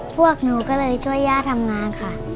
พวกหนูก็เลยช่วยย่าทำงานค่ะ